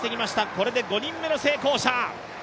これで５人目の成功者。